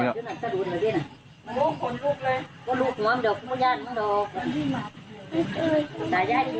เพื่อควร